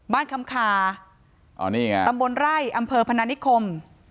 บ้านคำคาตำบลไร่อำเภอพนานิคม